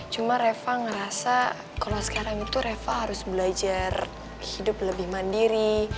cuma reva ngerasa kalau sekarang itu reva harus belajar hidup lebih mandiri